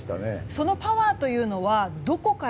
そのパワーというのはどこから？